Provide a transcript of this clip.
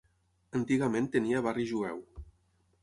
Antigament tenia barri jueu.